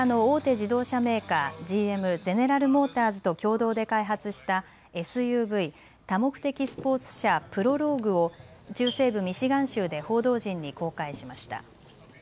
自動車メーカー、ＧＭ・ゼネラル・モーターズと共同で開発したＳＵＶ・多目的スポーツ車、プロローグを中西部ミシガン州で報道陣に公開しました。